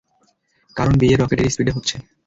কারন বিয়ে রকেটের স্পিডে হচ্ছে।